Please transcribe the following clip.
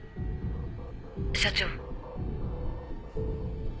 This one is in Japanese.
☎社長。